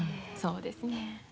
そうですねん。